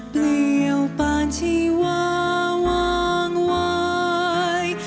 เปลี่ยวปานชีวาวางไว้